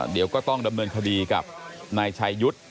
เดี๋ยวก็ต้องดำเนินคดีกับนายชายุทธ์